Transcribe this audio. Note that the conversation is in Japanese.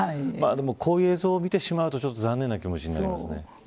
こういう映像を見てしまうと残念な気持ちになりますね。